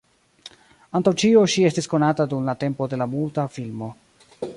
Antaŭ ĉio ŝi estis konata dum la tempo de la muta filmo.